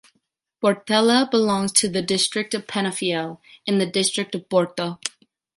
Portela belongs to the district of Penafiel in the district of Porto.